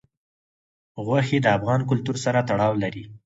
غوښې د افغان کلتور سره تړاو لري.